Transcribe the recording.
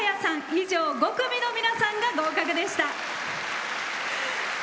以上、５組の皆さんが合格でした。